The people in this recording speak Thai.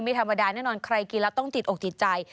ไม่ธรรมดาแน่นอนใครกินแล้วต้องติดอกติดใจ